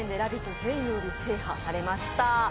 全曜日制覇されました。